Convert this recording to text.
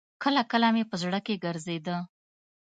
کله کله مې په زړه کښې ګرځېده.